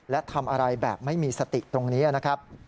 และทำอะไรแบบไม่มีสติตรงนี้นะครับ